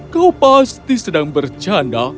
kau pasti sedang bercanda